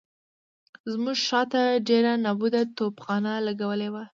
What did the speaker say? زموږ شاته ډېره نابوده توپخانه لګولې وه.